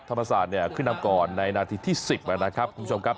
ธรรมศาสตร์เนี่ยขึ้นนำก่อนในนาทีที่๑๐นะครับคุณผู้ชมครับ